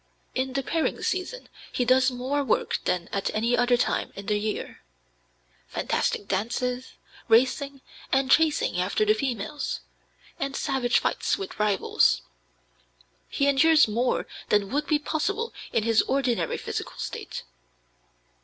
In the pairing season he does more work than at any other time in the year: fantastic dances, racing and chasing after the females, and savage fights with rivals. He endures more than would be possible in his ordinary physical state.